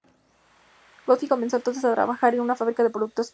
Goffin comenzó entonces a trabajar en una fábrica de productos químicos.